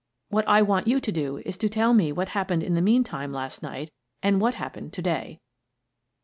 What I want you to do is to tell me what happened in the meantime last night and what happened to day."